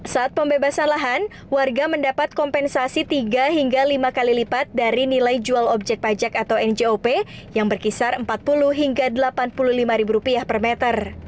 saat pembebasan lahan warga mendapat kompensasi tiga hingga lima kali lipat dari nilai jual objek pajak atau njop yang berkisar empat puluh hingga rp delapan puluh lima per meter